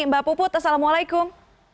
mbak puput assalamualaikum